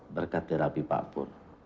berkat terapi pak pur